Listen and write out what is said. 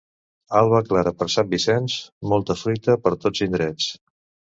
Alba clara per Sant Vicenç, molta fruita per tots indrets.